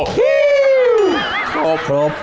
ครบครบ